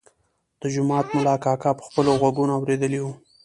د جومات ملا کاکا په خپلو غوږونو اورېدلی و.